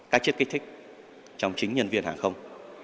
các chất kích thích trong chính nhân viên hàng không